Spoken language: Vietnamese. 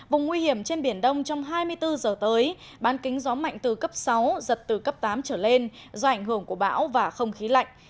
vùng nguy hiểm trên biển đông trong hai mươi bốn giờ tới bán kính gió mạnh từ cấp sáu giật từ cấp tám trở lên do ảnh hưởng của bão và không khí lạnh